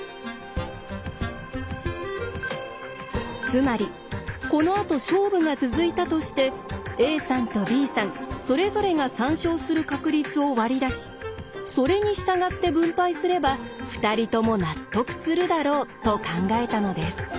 つまりこのあと勝負が続いたとしてＡさんとＢさんそれぞれが３勝する確率を割り出しそれに従って分配すれば２人とも納得するだろうと考えたのです。